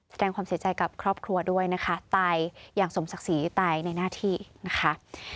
แสดงความเสียใจกับครอบครัวด้วยนะคะตายอย่างสมศักดิ์ศรีตายในหน้าที่นะคะ